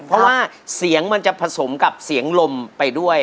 เพราะว่าเสียงมันจะผสมกับเสียงลมไปด้วย